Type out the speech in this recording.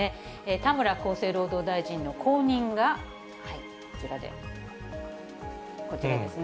田村厚生労働大臣の後任が、こちらですね。